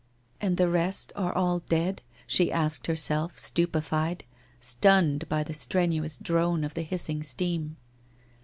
...' And the rest are all dead ?' she asked herself, stupefied, stunned by the strenuous drone of the hissing steam.